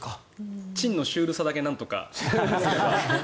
チンのシュールさだけなんとかすれば。